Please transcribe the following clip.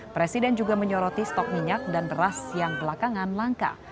presiden juga menyoroti stok minyak dan beras yang belakangan langka